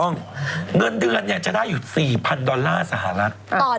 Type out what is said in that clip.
เงินเดือนเนี่ยจะได้อยู่๔๐๐ดอลลาร์สหรัฐ